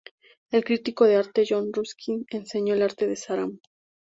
El crítico de arte John Ruskin enseñó el arte de Sarah.